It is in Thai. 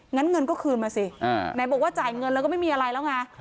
งั้นเงินก็คืนมาสิไหนบอกว่าจ่ายเงินแล้วก็ไม่มีอะไรแล้วไง